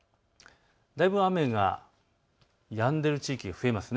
だいぶ雨がやんでいる地域増えます。